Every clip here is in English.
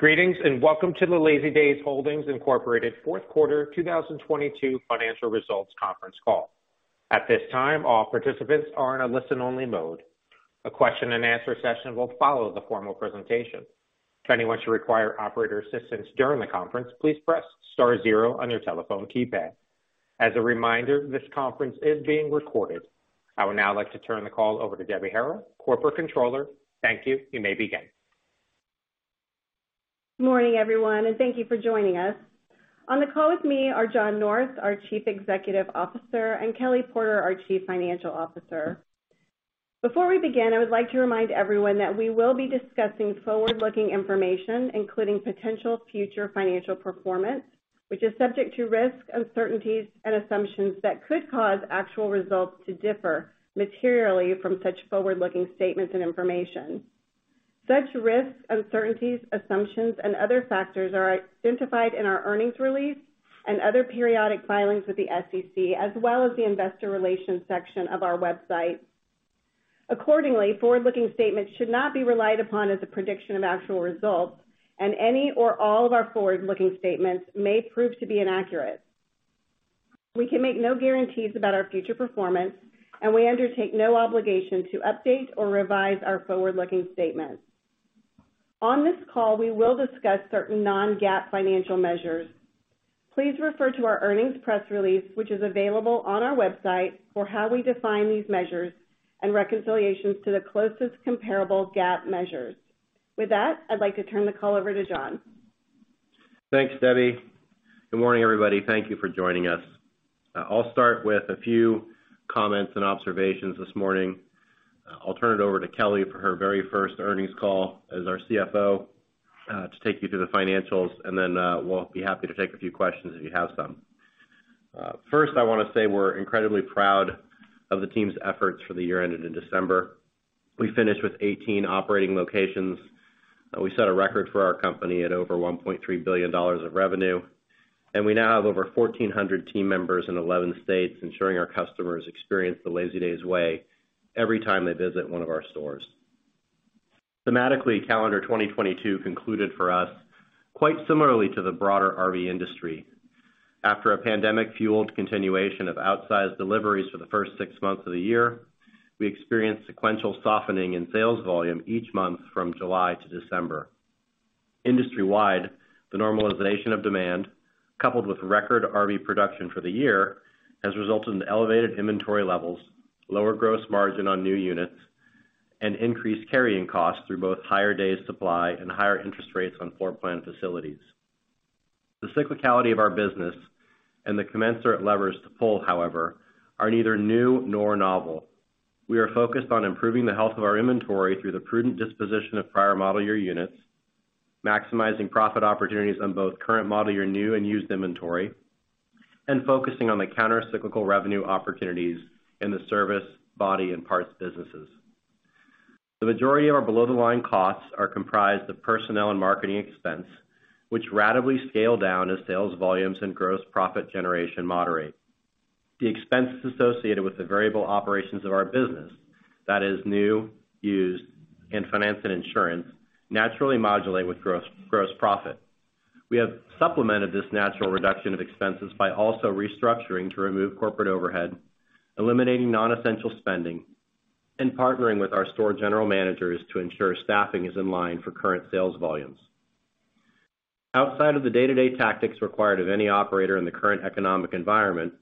Greetings, and welcome to the Lazydays Holdings, Inc. Fourth Quarter 2022 Financial Results Conference Call. At this time, all participants are in a listen-only mode. A question and answer session will follow the formal presentation. If anyone should require operator assistance during the conference, please press star 0 on your telephone keypad. As a reminder, this conference is being recorded. I would now like to turn the call over to Debbie Harrell, Corporate Controller. Thank you. You may begin. Morning, everyone, and thank you for joining us. On the call with me are John North, our Chief Executive Officer, and Kelly Porter, our Chief Financial Officer. Before we begin, I would like to remind everyone that we will be discussing forward-looking information, including potential future financial performance, which is subject to risks, uncertainties and assumptions that could cause actual results to differ materially from such forward-looking statements and information. Such risks, uncertainties, assumptions and other factors are identified in our earnings release and other periodic filings with the SEC, as well as the investor relations section of our website. Accordingly, forward-looking statements should not be relied upon as a prediction of actual results, and any or all of our forward-looking statements may prove to be inaccurate. We can make no guarantees about our future performance, and we undertake no obligation to update or revise our forward-looking statements. On this call, we will discuss certain non-GAAP financial measures. Please refer to our earnings press release, which is available on our website for how we define these measures and reconciliations to the closest comparable GAAP measures. With that, I'd like to turn the call over to John. Thanks, Debbie. Good morning, everybody. Thank you for joining us. I'll start with a few comments and observations this morning. I'll turn it over to Kelly for her very first earnings call as our CFO to take you through the financials. Then, we'll be happy to take a few questions if you have some. First, I wanna say we're incredibly proud of the team's efforts for the year ended in December. We finished with 18 operating locations. We set a record for our company at over $1.3 billion of revenue. We now have over 1,400 team members in 11 states, ensuring our customers experience the Lazydays way every time they visit one of our stores. Thematically, calendar 2022 concluded for us quite similarly to the broader RV industry. After a pandemic-fueled continuation of outsized deliveries for the first six months of the year, we experienced sequential softening in sales volume each month from July to December. Industry-wide, the normalization of demand, coupled with record RV production for the year, has resulted in elevated inventory levels, lower gross margin on new units, and increased carrying costs through both higher days supply and higher interest rates on floor plan facilities. The cyclicality of our business and the commensurate levers to pull, however, are neither new nor novel. We are focused on improving the health of our inventory through the prudent disposition of prior model year units, maximizing profit opportunities on both current model year new and used inventory, and focusing on the countercyclical revenue opportunities in the service, body and parts businesses. The majority of our below-the-line costs are comprised of personnel and marketing expense, which ratably scale down as sales volumes and gross profit generation moderate. The expenses associated with the variable operations of our business, that is new, used, and finance and insurance, naturally modulate with gross profit. We have supplemented this natural reduction of expenses by also restructuring to remove corporate overhead, eliminating non-essential spending and partnering with our store general managers to ensure staffing is in line for current sales volumes. Outside of the day-to-day tactics required of any operator in the current economic environment,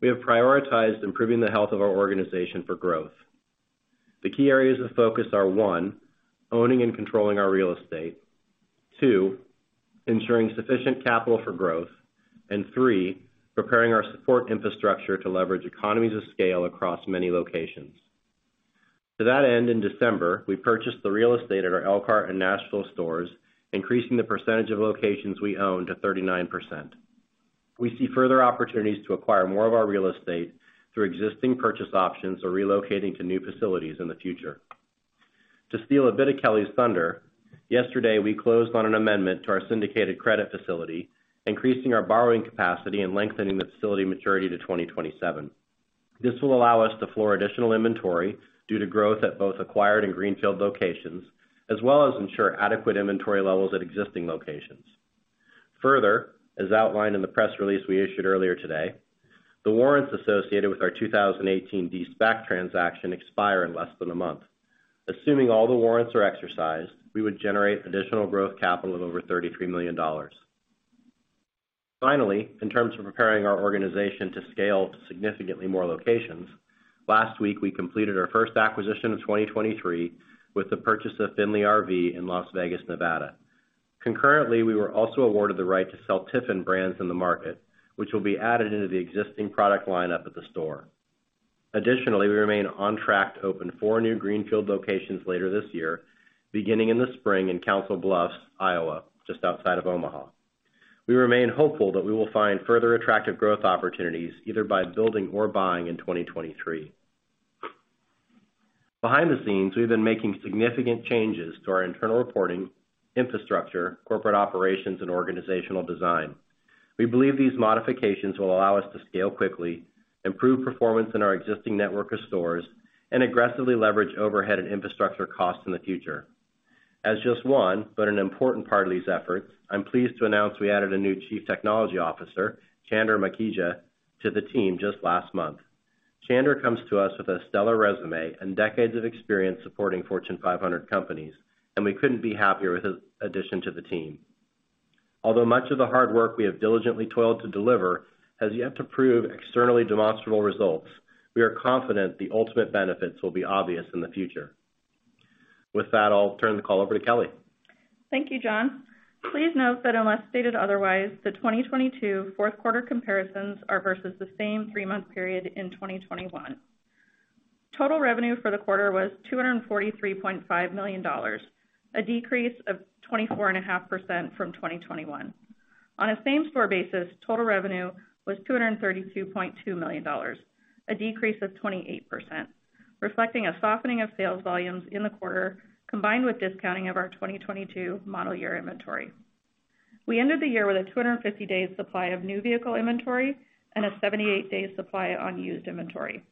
we have prioritized improving the health of our organization for growth. The key areas of focus are, one, owning and controlling our real estate, two, ensuring sufficient capital for growth, and three, preparing our support infrastructure to leverage economies of scale across many locations. To that end, in December, we purchased the real estate at our Elkhart and Nashville stores, increasing the percentage of locations we own to 39%. We see further opportunities to acquire more of our real estate through existing purchase options or relocating to new facilities in the future. To steal a bit of Kelly's thunder, yesterday, we closed on an amendment to our syndicated credit facility, increasing our borrowing capacity and lengthening the facility maturity to 2027. This will allow us to floor additional inventory due to growth at both acquired and greenfield locations, as well as ensure adequate inventory levels at existing locations. Further, as outlined in the press release we issued earlier today, the warrants associated with our 2018 de-SPAC transaction expire in less than a month. Assuming all the warrants are exercised, we would generate additional growth capital of over $33 million. In terms of preparing our organization to scale to significantly more locations, last week we completed our first acquisition of 2023 with the purchase of Findlay RV in Las Vegas, Nevada. We were also awarded the right to sell Tiffin brands in the market, which will be added into the existing product lineup at the store. We remain on track to open four new greenfield locations later this year, beginning in the spring in Council Bluffs, Iowa, just outside of Omaha. We remain hopeful that we will find further attractive growth opportunities either by building or buying in 2023. Behind the scenes, we've been making significant changes to our internal reporting infrastructure, corporate operations and organizational design. We believe these modifications will allow us to scale quickly, improve performance in our existing network of stores, and aggressively leverage overhead and infrastructure costs in the future. As just one, but an important part of these efforts, I'm pleased to announce we added a new Chief Technology Officer, Chander Makhija, to the team just last month. Chander comes to us with a stellar resume and decades of experience supporting Fortune 500 companies. We couldn't be happier with his addition to the team. Although much of the hard work we have diligently toiled to deliver has yet to prove externally demonstrable results, we are confident the ultimate benefits will be obvious in the future. With that, I'll turn the call over to Kelly. Thank you, John. Please note that unless stated otherwise, the 2022 fourth quarter comparisons are versus the same three-month period in 2021. Total revenue for the quarter was $243.5 million, a decrease of 24.5% from 2021. On a same store basis, total revenue was $232.2 million, a decrease of 28%, reflecting a softening of sales volumes in the quarter, combined with discounting of our 2022 model year inventory. We ended the year with a 250 days supply of new vehicle inventory and a 78 days supply on used inventory.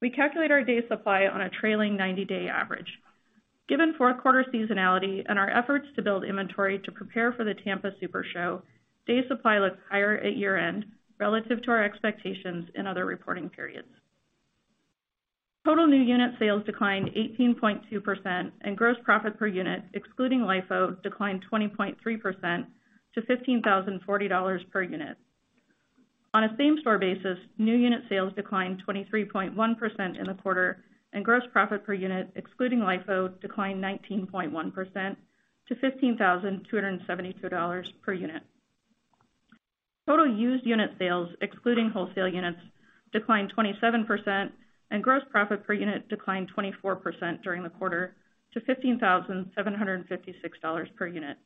We calculate our days supply on a trailing 90-day average. Given fourth quarter seasonality and our efforts to build inventory to prepare for the Florida RV SuperShow, day supply looks higher at year-end relative to our expectations in other reporting periods. Total new unit sales declined 18.2%, gross profit per unit, excluding LIFO, declined 20.3% to $15,040 per unit. On a same store basis, new unit sales declined 23.1% in the quarter, gross profit per unit, excluding LIFO, declined 19.1% to $15,272 per unit. Total used unit sales, excluding wholesale units, declined 27%, gross profit per unit declined 24% during the quarter to $15,756 per unit.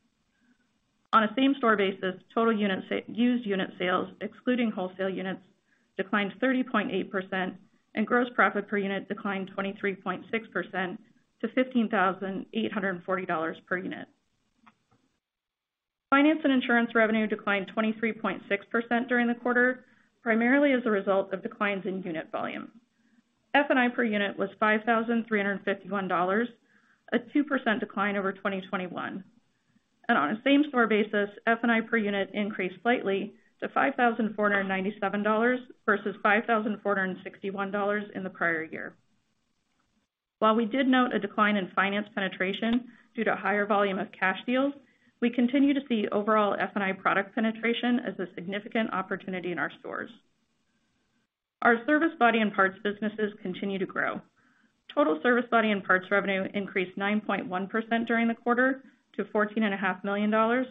On a same store basis, total used unit sales, excluding wholesale units, declined 30.8%, and gross profit per unit declined 23.6% to $15,840 per unit. Finance and insurance revenue declined 23.6% during the quarter, primarily as a result of declines in unit volume. F&I per unit was $5,351, a 2% decline over 2021. On a same store basis, F&I per unit increased slightly to $5,497 versus $5,461 in the prior year. While we did note a decline in finance penetration due to higher volume of cash deals, we continue to see overall F&I product penetration as a significant opportunity in our stores. Our service body and parts businesses continue to grow. Total service body and parts revenue increased 9.1% during the quarter to fourteen and a half million dollars.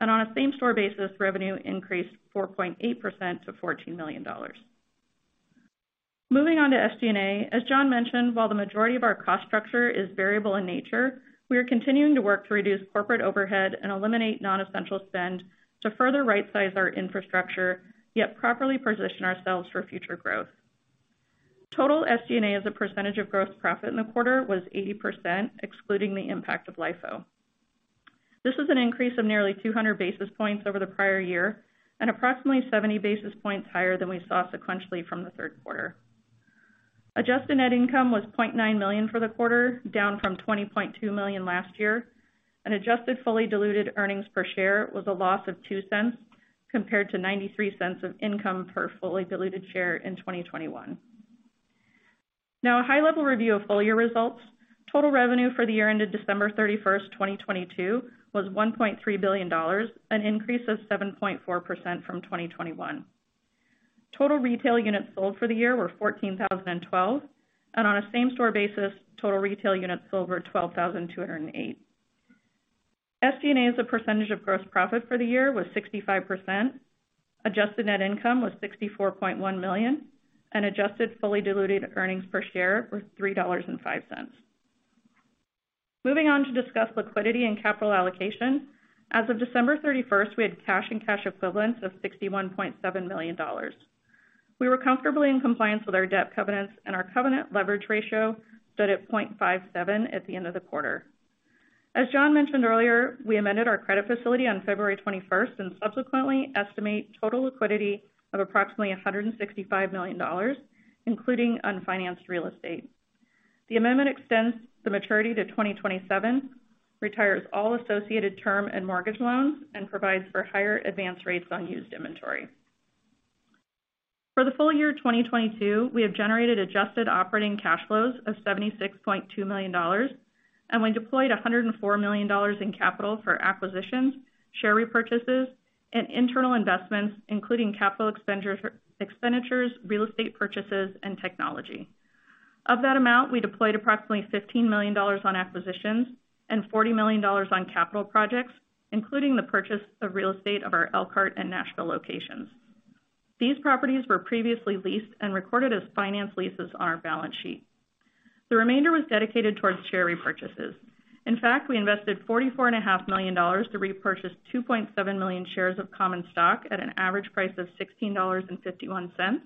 On a same-store basis, revenue increased 4.8% to $14 million. Moving on to SG&A. As John mentioned, while the majority of our cost structure is variable in nature, we are continuing to work to reduce corporate overhead and eliminate non-essential spend to further right-size our infrastructure, yet properly position ourselves for future growth. Total SG&A as a percentage of gross profit in the quarter was 80%, excluding the impact of LIFO. This is an increase of nearly 200 basis points over the prior year and approximately 70 basis points higher than we saw sequentially from the third quarter. Adjusted net income was $0.9 million for the quarter, down from $20.2 million last year, and adjusted fully diluted earnings per share was a loss of $0.02, compared to $0.93 of income per fully diluted share in 2021. A high-level review of full year results. Total revenue for the year ended December 31, 2022 was $1.3 billion, an increase of 7.4% from 2021. Total retail units sold for the year were 14,012, and on a same store basis, total retail units sold were 12,208. SG&A as a percentage of gross profit for the year was 65%. Adjusted net income was $64.1 million, and adjusted fully diluted earnings per share was $3.05. Moving on to discuss liquidity and capital allocation. As of December 31st, we had cash and cash equivalents of $61.7 million. We were comfortably in compliance with our debt covenants and our covenant leverage ratio stood at 0.57 at the end of the quarter. As John mentioned earlier, we amended our credit facility on February 21st and subsequently estimate total liquidity of approximately $165 million, including unfinanced real estate. The amendment extends the maturity to 2027, retires all associated term and mortgage loans, and provides for higher advance rates on used inventory. For the full year 2022, we have generated adjusted operating cash flows of $76.2 million, and we deployed $104 million in capital for acquisitions, share repurchases, and internal investments, including capital expenditures, real estate purchases, and technology. Of that amount, we deployed approximately $15 million on acquisitions and $40 million on capital projects, including the purchase of real estate of our Elkhart and Nashville locations. These properties were previously leased and recorded as finance leases on our balance sheet. The remainder was dedicated towards share repurchases. In fact, we invested $44 and a half million to repurchase 2.7 million shares of common stock at an average price of $16.51,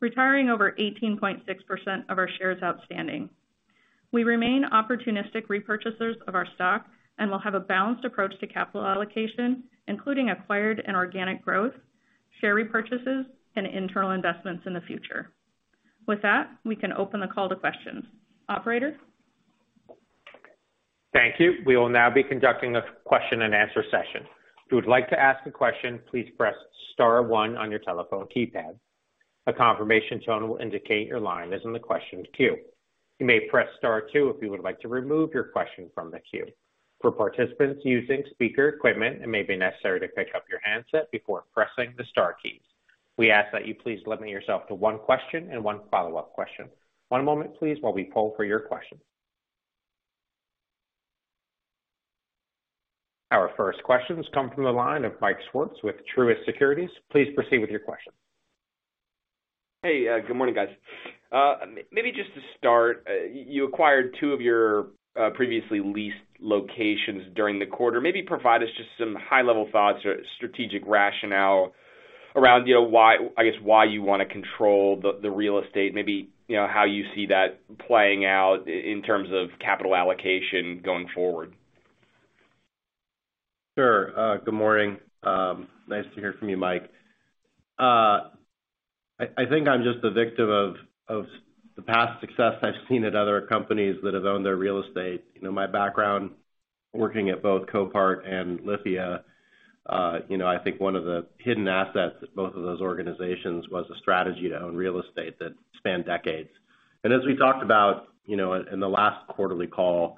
retiring over 18.6% of our shares outstanding. We remain opportunistic repurchasers of our stock, and we'll have a balanced approach to capital allocation, including acquired and organic growth, share repurchases, and internal investments in the future. With that, we can open the call to questions. Operator? Thank you. We will now be conducting a question and answer session. If you would like to ask a question, please press star 1 on your telephone keypad. A confirmation tone will indicate your line is in the question queue. You may press Star 2 if you would like to remove your question from the queue. For participants using speaker equipment, it may be necessary to pick up your handset before pressing the star keys. We ask that you please limit yourself to 1 question and 1 follow-up question. 1 moment please while we poll for your question. Our first questions come from the line of Michael Swartz with Truist Securities. Please proceed with your question. Hey, good morning, guys. Maybe just to start, you acquired two of your previously leased locations during the quarter. Maybe provide us just some high-level thoughts or strategic rationale around, you know, why, I guess, why you wanna control the real estate, maybe, you know, how you see that playing out in terms of capital allocation going forward. Sure. Good morning. Nice to hear from you, Mike. I think I'm just a victim of the past success I've seen at other companies that have owned their real estate. You know, my background working at both Copart and Lithia, you know, I think one of the hidden assets at both of those organizations was a strategy to own real estate that spanned decades. As we talked about, you know, in the last quarterly call,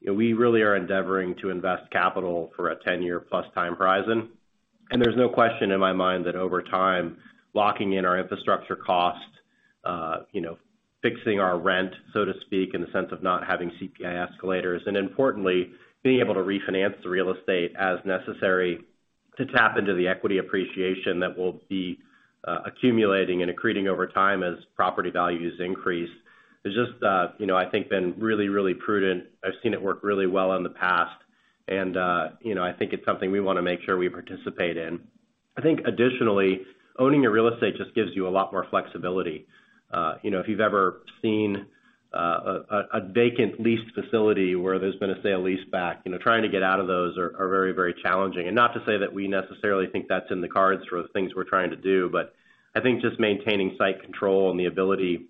you know, we really are endeavoring to invest capital for a 10-year plus time horizon. There's no question in my mind that over time, locking in our infrastructure costs, you know, fixing our rent, so to speak, in the sense of not having CPI escalators, and importantly, being able to refinance the real estate as necessary to tap into the equity appreciation that we'll be accumulating and accreting over time as property values increase, has just, you know, I think been really, really prudent. I've seen it work really well in the past and, you know, I think it's something we wanna make sure we participate in. Additionally, owning your real estate just gives you a lot more flexibility. You know, if you've ever seen, a vacant leased facility where there's been a sale lease back, you know, trying to get out of those are very, very challenging. Not to say that we necessarily think that's in the cards for the things we're trying to do, but I think just maintaining site control and the ability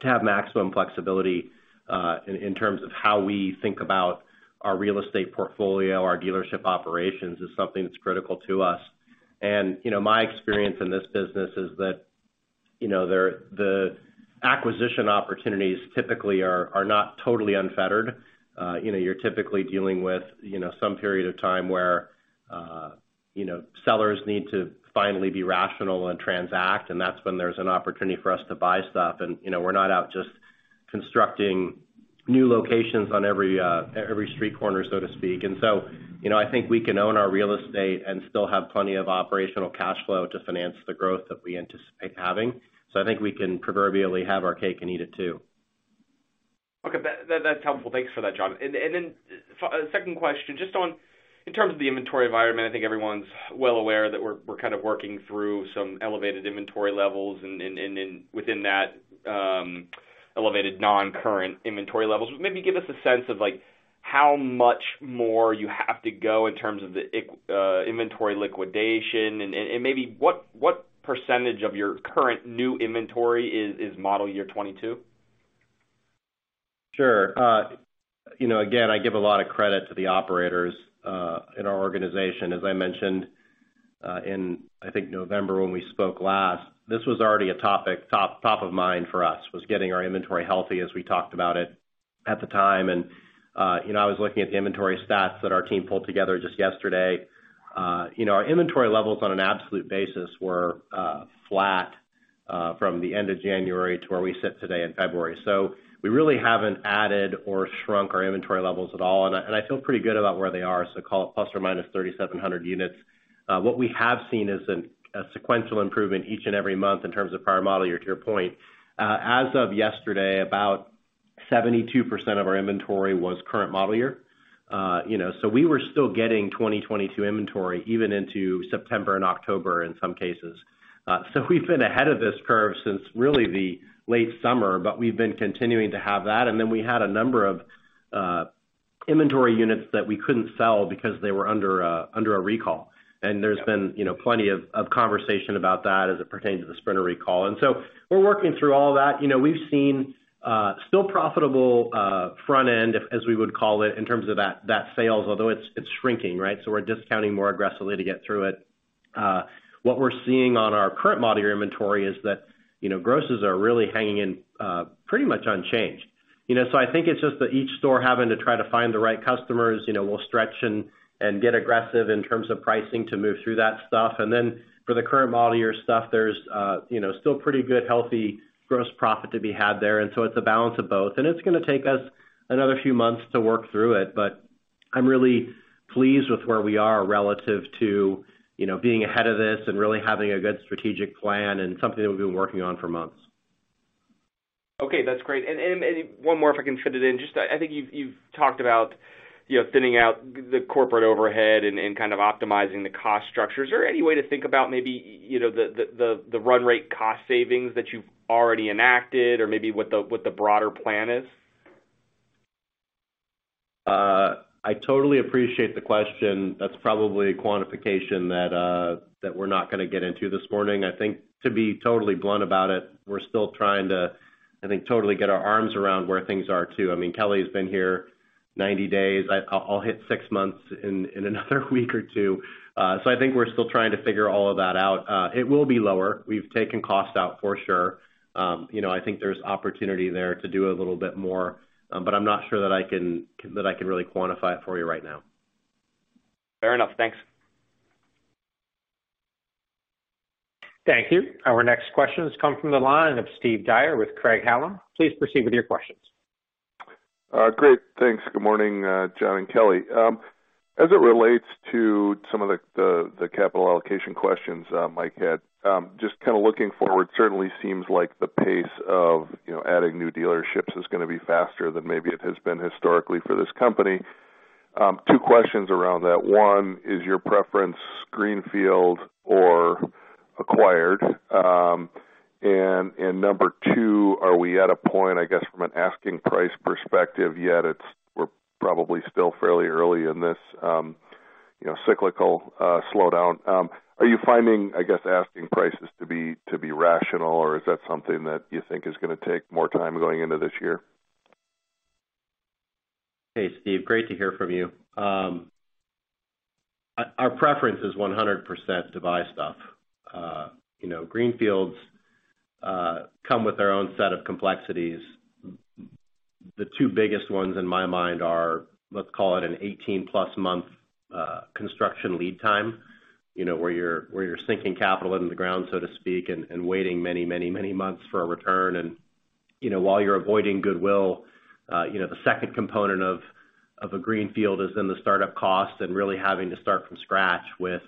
to have maximum flexibility, in terms of how we think about our real estate portfolio, our dealership operations, is something that's critical to us. You know, my experience in this business is that, you know, the acquisition opportunities typically are not totally unfettered. You know, you're typically dealing with, you know, some period of time where, you know, sellers need to finally be rational and transact, and that's when there's an opportunity for us to buy stuff. You know, we're not out just constructing new locations on every street corner, so to speak. You know, I think we can own our real estate and still have plenty of operational cash flow to finance the growth that we anticipate having. I think we can proverbially have our cake and eat it, too. Okay. That's helpful. Thanks for that, John. Then second question, just on in terms of the inventory environment, I think everyone's well aware that we're kind of working through some elevated inventory levels and then within that, elevated non-current inventory levels. Maybe give us a sense of, like, how much more you have to go in terms of the inventory liquidation and maybe what percentage of your current new inventory is model year '22? Sure. You know, again, I give a lot of credit to the operators in our organization. As I mentioned, in I think November when we spoke last, this was already a topic top of mind for us, was getting our inventory healthy as we talked about it at the time. You know, I was looking at the inventory stats that our team pulled together just yesterday. You know, our inventory levels on an absolute basis were flat from the end of January to where we sit today in February. We really haven't added or shrunk our inventory levels at all, and I feel pretty good about where they are, so call it ±3,700 units. What we have seen is a sequential improvement each and every month in terms of prior model year, to your point. As of yesterday, about 72% of our inventory was current model year. You know, so we were still getting 2022 inventory even into September and October in some cases. So we've been ahead of this curve since really the late summer, but we've been continuing to have that. Then we had a number of inventory units that we couldn't sell because they were under a recall. There's been, you know, plenty of conversation about that as it pertains to the Sprinter recall. So we're working through all that. You know, we've seen still profitable front end, as we would call it, in terms of that sales, although it's shrinking, right? We're discounting more aggressively to get through it. What we're seeing on our current model year inventory is that, you know, grosses are really hanging in, pretty much unchanged. You know, I think it's just that each store having to try to find the right customers, you know, will stretch and get aggressive in terms of pricing to move through that stuff. For the current model year stuff, there's, you know, still pretty good, healthy gross profit to be had there. It's a balance of both, and it's gonna take us another few months to work through it, but I'm really pleased with where we are relative to, you know, being ahead of this and really having a good strategic plan and something that we've been working on for months. Okay, that's great. Maybe one more, if I can fit it in. Just I think you've talked about, you know, thinning out the corporate overhead and kind of optimizing the cost structure. Is there any way to think about maybe, you know, the run rate cost savings that you've already enacted or maybe what the broader plan is? I totally appreciate the question. That's probably a quantification that we're not gonna get into this morning. I think to be totally blunt about it, we're still trying to, I think, totally get our arms around where things are, too. I mean, Kelly has been here 90 days. I'll hit 6 months in another week or 2. I think we're still trying to figure all of that out. It will be lower. We've taken costs out for sure. You know, I think there's opportunity there to do a little bit more, but I'm not sure that I can, that I can really quantify it for you right now. Fair enough. Thanks. Thank you. Our next question has come from the line of Steve Dyer with Craig-Hallum. Please proceed with your questions. Great. Thanks. Good morning, John and Kelly. As it relates to some of the capital allocation questions, Mike had, just kinda looking forward certainly seems like the pace of, you know, adding new dealerships is gonna be faster than maybe it has been historically for this company. Two questions around that. One, is your preference greenfield or acquired? Number two, are we at a point, I guess, from an asking price perspective, yet we're probably still fairly early in this, you know, cyclical slowdown? Are you finding, I guess, asking prices to be rational, or is that something that you think is gonna take more time going into this year? Hey, Steve, great to hear from you. Our preference is 100% to buy stuff. you know, greenfields come with their own set of complexities. The two biggest ones in my mind are, let's call it an 18-plus month construction lead time, you know, where you're sinking capital into the ground, so to speak, and waiting many, many, many months for a return. you know, while you're avoiding goodwill, you know, the second component of a greenfield is in the start-up cost and really having to start from scratch with,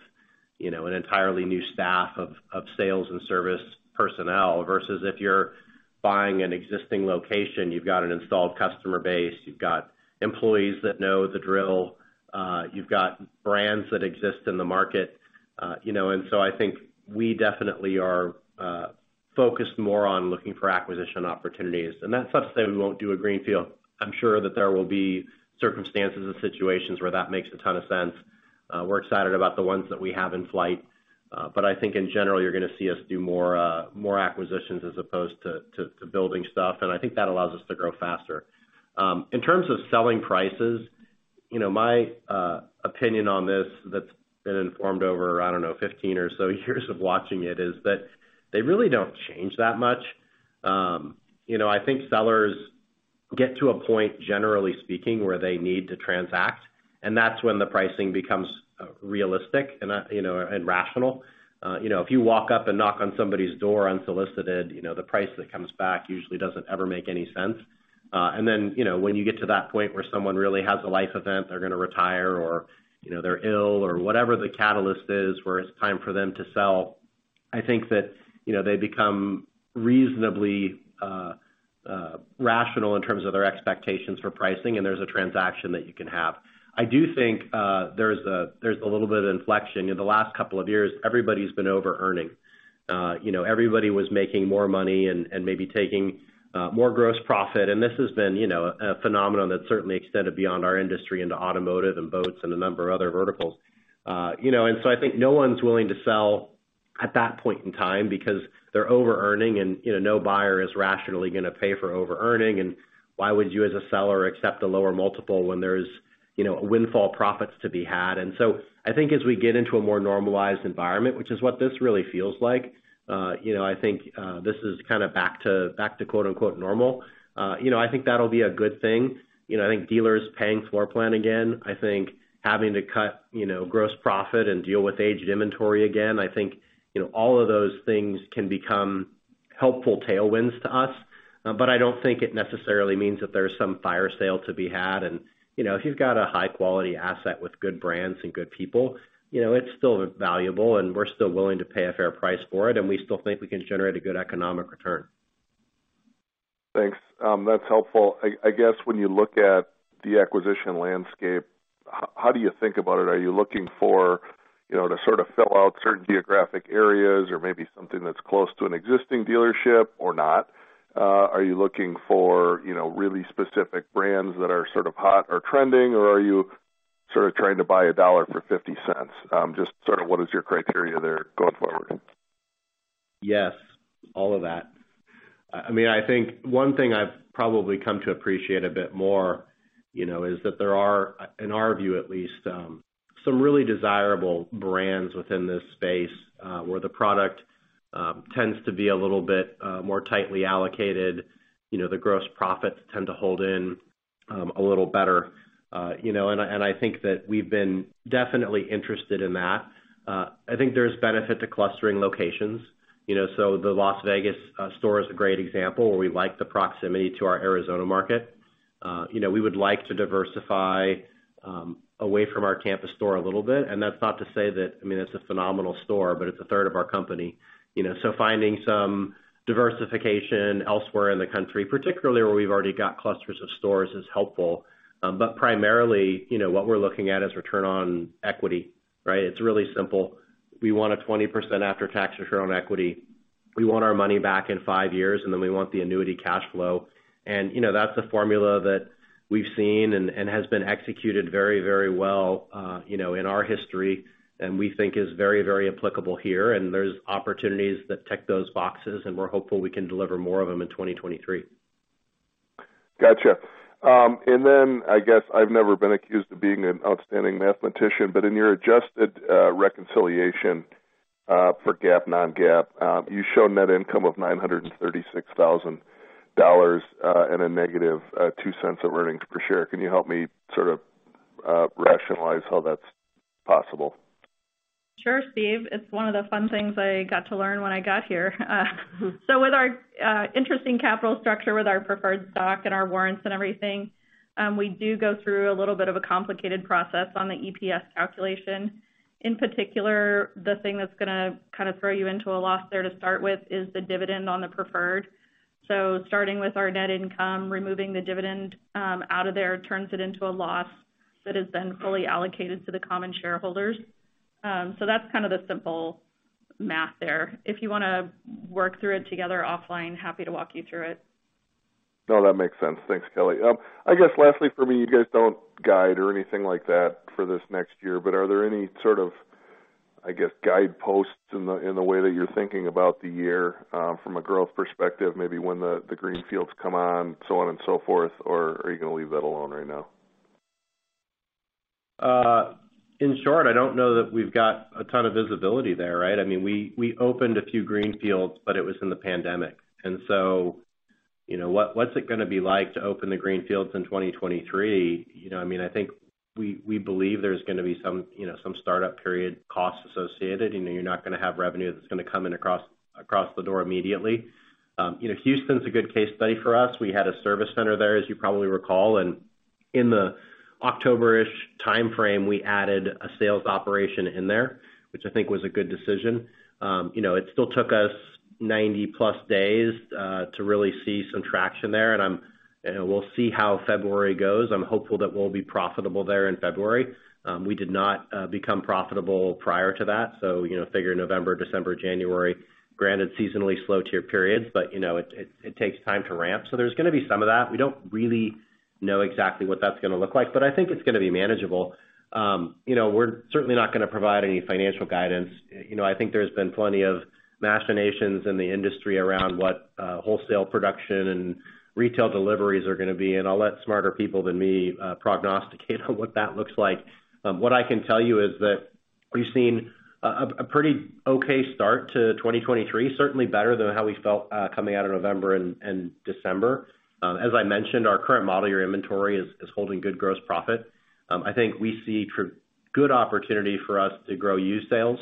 you know, an entirely new staff of sales and service personnel versus if you're buying an existing location, you've got an installed customer base, you've got employees that know the drill, you've got brands that exist in the market. you know, I think we definitely are focused more on looking for acquisition opportunities. That's not to say we won't do a greenfield. I'm sure that there will be circumstances and situations where that makes a ton of sense. We're excited about the ones that we have in flight. I think in general, you're gonna see us do more more acquisitions as opposed to building stuff, and I think that allows us to grow faster. In terms of selling prices, you know, my opinion on this that's been informed over, I don't know, 15 or so years of watching it, is that they really don't change that much. You know, I think sellers get to a point, generally speaking, where they need to transact, and that's when the pricing becomes realistic and, you know, and rational. You know, if you walk up and knock on somebody's door unsolicited, you know, the price that comes back usually doesn't ever make any sense. Then, you know, when you get to that point where someone really has a life event, they're gonna retire or, you know, they're ill or whatever the catalyst is, where it's time for them to sell, I think that, you know, they become reasonably rational in terms of their expectations for pricing, and there's a transaction that you can have. I do think, there's a little bit of inflection. In the last couple of years, everybody's been overearning. You know, everybody was making more money and maybe taking more gross profit. This has been, you know, a phenomenon that certainly extended beyond our industry into automotive and boats and a number of other verticals. You know, I think no one's willing to sell at that point in time because they're overearning, and, you know, no buyer is rationally gonna pay for overearning. Why would you as a seller accept a lower multiple when there's, you know, windfall profits to be had? I think as we get into a more normalized environment, which is what this really feels like, you know, I think this is kinda back to, back to quote-unquote normal. You know, I think that'll be a good thing. You know, I think dealers paying floor plan again, I think having to cut, you know, gross profit and deal with aged inventory again, I think, you know, all of those things can become helpful tailwinds to us. I don't think it necessarily means that there's some fire sale to be had. You know, if you've got a high-quality asset with good brands and good people, you know, it's still valuable, and we're still willing to pay a fair price for it, and we still think we can generate a good economic return. Thanks. That's helpful. I guess when you look at the acquisition landscape, how do you think about it? Are you looking for, you know, to sort of fill out certain geographic areas or maybe something that's close to an existing dealership or not? Are you looking for, you know, really specific brands that are sort of hot or trending, or are you sort of trying to buy $1 for $0.50? Just sort of what is your criteria there going forward? Yes, all of that. I mean, I think one thing I've probably come to appreciate a bit more, you know, is that there are, in our view at least, some really desirable brands within this space, where the product tends to be a little bit more tightly allocated. You know, the gross profits tend to hold in a little better. You know, and I think that we've been definitely interested in that. I think there's benefit to clustering locations. You know, so the Las Vegas store is a great example where we like the proximity to our Arizona market. You know, we would like to diversify away from our campus store a little bit. That's not to say that I mean, that's a phenomenal store, but it's a third of our company. You know, finding some diversification elsewhere in the country, particularly where we've already got clusters of stores, is helpful. Primarily, you know, what we're looking at is return on equity, right? It's really simple. We want a 20% after-tax return on equity. We want our money back in 5 years, and then we want the annuity cash flow. You know, that's a formula that we've seen and has been executed very, very well, you know, in our history and we think is very, very applicable here. There's opportunities that tick those boxes, and we're hopeful we can deliver more of them in 2023. Gotcha. I guess I've never been accused of being an outstanding mathematician, but in your adjusted reconciliation for GAAP, non-GAAP, you show net income of $936,000 and a negative $0.02 of earnings per share. Can you help me sort of rationalize how that's possible? Sure, Steve. It's one of the fun things I got to learn when I got here. With our interesting capital structure with our preferred stock and our warrants and everything, we do go through a little bit of a complicated process on the EPS calculation. In particular, the thing that's gonna kind of throw you into a loss there to start with is the dividend on the preferred. Starting with our net income, removing the dividend out of there turns it into a loss that is then fully allocated to the common shareholders. That's kind of the simple math there. If you wanna work through it together offline, happy to walk you through it. That makes sense. Thanks, Kelly. I guess lastly for me, you guys don't guide or anything like that for this next year, but are there any sort of, I guess, guideposts in the, in the way that you're thinking about the year, from a growth perspective, maybe when the greenfields come on, so on and so forth? Or are you gonna leave that alone right now? In short, I don't know that we've got a ton of visibility there, right? I mean, we opened a few greenfields, but it was in the pandemic. You know, what's it gonna be like to open the greenfields in 2023? You know, I mean, I think we believe there's gonna be some, you know, some startup period costs associated. You know, you're not gonna have revenue that's gonna come in across the door immediately. You know, Houston's a good case study for us. We had a service center there, as you probably recall, and in the October-ish timeframe, we added a sales operation in there, which I think was a good decision. You know, it still took us 90-plus days to really see some traction there. You know, we'll see how February goes. I'm hopeful that we'll be profitable there in February. We did not become profitable prior to that, so, you know, figure November, December, January, granted seasonally slow tier periods, but, you know, it takes time to ramp. There's gonna be some of that. We don't really know exactly what that's gonna look like, but I think it's gonna be manageable. You know, we're certainly not gonna provide any financial guidance. You know, I think there's been plenty of machinations in the industry around what wholesale production and retail deliveries are gonna be, and I'll let smarter people than me prognosticate on what that looks like. What I can tell you is that we've seen a pretty okay start to 2023, certainly better than how we felt coming out of November and December. As I mentioned, our current model year inventory is holding good gross profit. I think we see good opportunity for us to grow used sales,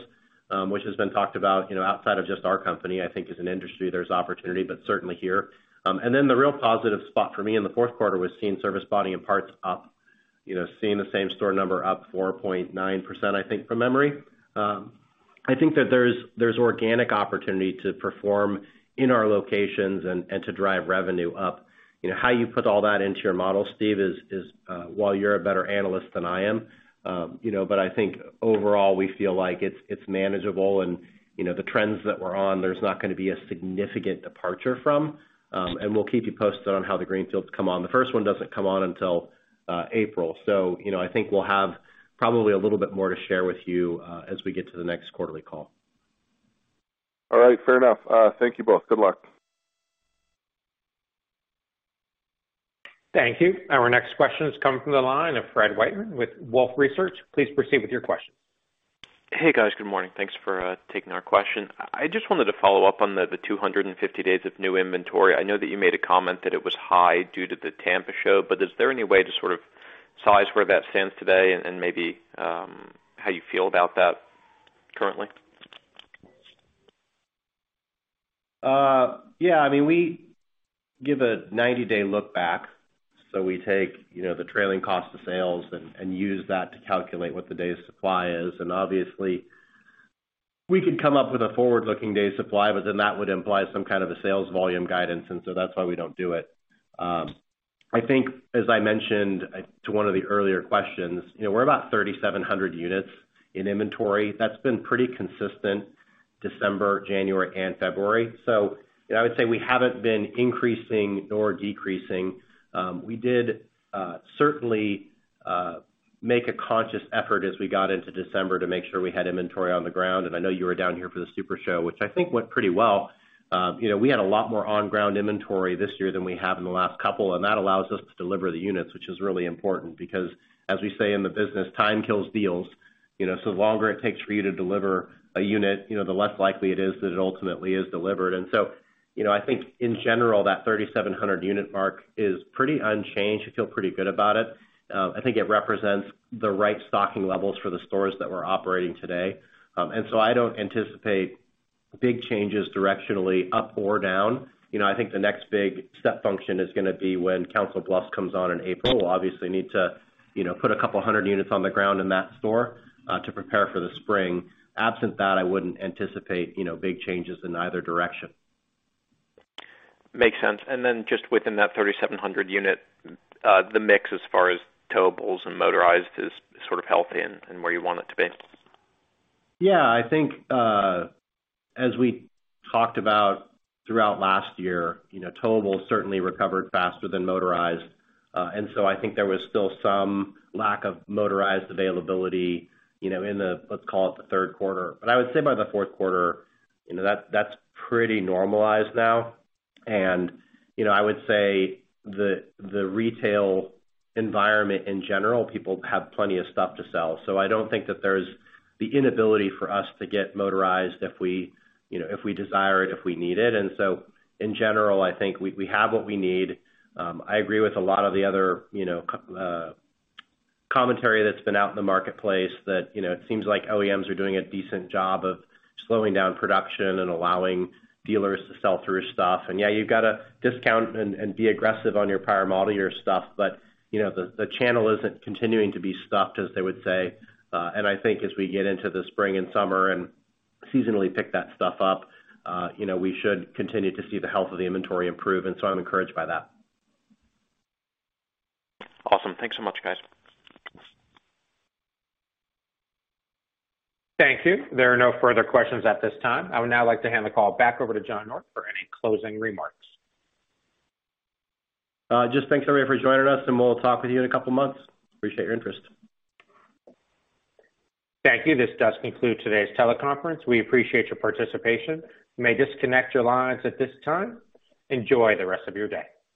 which has been talked about, you know, outside of just our company. I think as an industry, there's opportunity, but certainly here. The real positive spot for me in the fourth quarter was seeing service body and parts up. You know, seeing the same store number up 4.9%, I think, from memory. I think that there's organic opportunity to perform in our locations and to drive revenue up. You know, how you put all that into your model, Steve, is, well, you're a better analyst than I am. You know, I think overall we feel like it's manageable and, you know, the trends that we're on, there's not gonna be a significant departure from. We'll keep you posted on how the greenfields come on. The first one doesn't come on until April. You know, I think we'll have probably a little bit more to share with you, as we get to the next quarterly call. All right. Fair enough. Thank you both. Good luck. Thank you. Our next question is coming from the line of Fred Wightman with Wolfe Research. Please proceed with your question. Hey, guys. Good morning. Thanks for taking our question. I just wanted to follow up on the 250 days of new inventory. I know that you made a comment that it was high due to the Tampa show. Is there any way to sort of size where that stands today and maybe how you feel about that currently? Yeah. I mean, we give a 90-day look back, so we take, you know, the trailing cost of sales and use that to calculate what the days supply is. Obviously, we could come up with a forward-looking days supply, but then that would imply some kind of a sales volume guidance. That's why we don't do it. I think as I mentioned to one of the earlier questions, you know, we're about 3,700 units in inventory. That's been pretty consistent December, January, and February. You know, I would say we haven't been increasing or decreasing. We did certainly make a conscious effort as we got into December to make sure we had inventory on the ground, and i know you were down here for the Super Show, which i think went pretty well. You know, we had a lot more on-ground inventory this year than we have in the last couple, that allows us to deliver the units, which is really important because, as we say in the business, time kills deals. You know, the longer it takes for you to deliver a unit, you know, the less likely it is that it ultimately is delivered. You know, I think in general, that 3,700 unit mark is pretty unchanged. I feel pretty good about it. I think it represents the right stocking levels for the stores that we're operating today. I don't anticipate big changes directionally up or down. You know, I think the next big step function is gonna be when Council Bluffs comes on in April. We'll obviously need to, you know, put a couple hundred units on the ground in that store to prepare for the spring. Absent that, I wouldn't anticipate, you know, big changes in either direction. Makes sense. Then just within that 3,700 unit, the mix as far as towables and motorized is sort of healthy and where you want it to be? Yeah. I think, as we talked about throughout last year, you know, towables certainly recovered faster than motorized. I think there was still some lack of motorized availability, you know, in the, let's call it the third quarter. I would say by the fourth quarter, you know, that's pretty normalized now. You know, I would say the retail environment in general, people have plenty of stuff to sell. I don't think that there's the inability for us to get motorized if we, you know, if we desire it, if we need it. In general, I think we have what we need. I agree with a lot of the other, you know, commentary that's been out in the marketplace that, you know, it seems like OEMs are doing a decent job of slowing down production and allowing dealers to sell through stuff. Yeah, you've got to discount and be aggressive on your prior model year stuff, but, you know, the channel isn't continuing to be stuffed, as they would say. I think as we get into the spring and summer and seasonally pick that stuff up, you know, we should continue to see the health of the inventory improve, and so I'm encouraged by that. Awesome. Thanks so much, guys. Thank you. There are no further questions at this time. I would now like to hand the call back over to John North for any closing remarks. Just thanks everybody for joining us. We'll talk with you in a couple months. Appreciate your interest. Thank you. This does conclude today's teleconference. We appreciate your participation. You may disconnect your lines at this time. Enjoy the rest of your day.